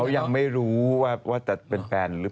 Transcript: ก็เขายังไม่รู้ว่าจะเป็นแฟนหรือเปล่า